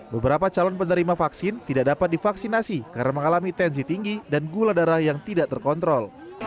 beberapa calon penerima vaksin tidak dapat divaksinasi karena mengalami tensi tinggi dan gula darah yang tidak terkontrol